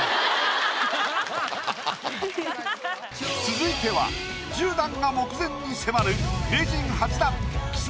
続いては１０段が目前に迫る。